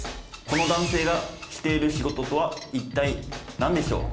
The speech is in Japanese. この男性がしている仕事とは一体、なんでしょう？